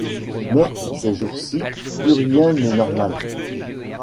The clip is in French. Mais ces joursci plus rien n'est normal.